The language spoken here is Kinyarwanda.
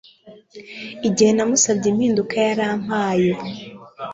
Igihe namusabye impinduka yarampaye